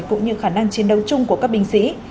cũng như khả năng chiến đấu chung của các binh sĩ